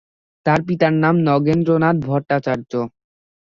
তার পিতার নাম নগেন্দ্রনাথ ভট্টাচার্য।